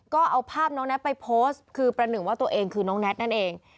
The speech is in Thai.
ก็เอาภาพน้องแท็กไปโพสต์คือประหนึ่งว่าตัวเองคือน้องแน็ตนั่นเอง